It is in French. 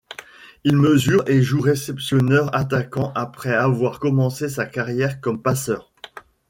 Il mesure et joue réceptionneur-attaquant après avoir commencé sa carrière comme passeur.